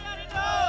halir rude pakai